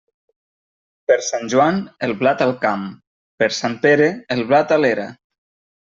Per Sant Joan, el blat al camp; per Sant Pere, el blat a l'era.